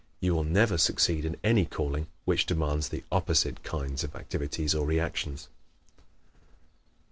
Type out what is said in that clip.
You will never succeed in any calling which demands the opposite kinds of activities or reactions.